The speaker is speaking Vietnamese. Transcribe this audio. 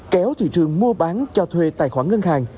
kéo thị trường mua bán cho thuê tài khoản ngân hàng